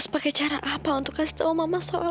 tapi sekarang aku menyesal